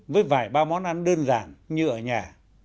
với vài ba món ăn đơn giản như ở nhà